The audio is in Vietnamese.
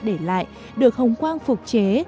để lại được hồng quang phục chế